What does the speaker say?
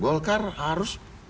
dalam hal pencapresan